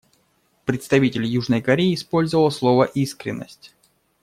Представитель Южной Кореи использовал слово «искренность».